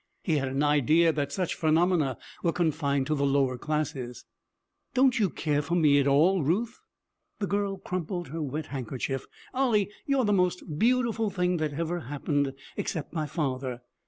He had an idea that such phenomena were confined to the lower classes. 'Don't you care for me at all, Ruth?' The girl crumpled her wet handkerchief. 'Ollie, you're the most beautiful thing that ever happened except my father.